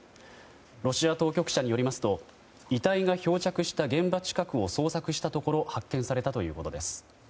ロシア当局者によりますと遺体が漂着した現場近くを捜索したところ発見されたということです。